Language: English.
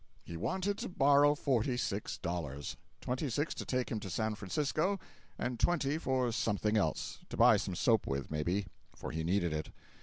399.jpg (43K) He wanted to borrow forty six dollars—twenty six to take him to San Francisco, and twenty for something else; to buy some soap with, maybe, for he needed it.